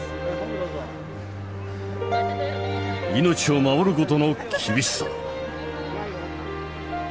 命を守る事の厳しさ。